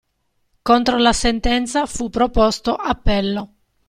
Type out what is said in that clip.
Contro la sentenza fu proposto appello.